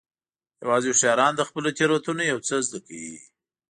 یوازې هوښیاران له خپلو تېروتنو یو څه زده کوي.